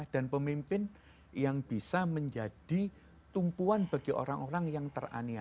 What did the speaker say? dan pemimpin yang bisa menjadi tumpuan bagi orang orang yang teraniaya